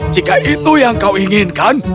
jika itu yang kau inginkan